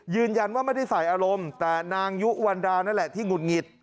ยืนยันว่าไม่ได้ใส่อารมณ์แต่นางยุวันดานั่นแหละที่หุดหงิด